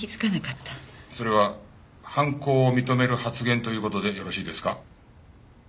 それは犯行を認める発言という事でよろしいですか？